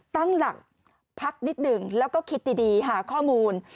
ตั้งหลักพักนิดหนึ่งแล้วก็คิดดีหาข้อมูล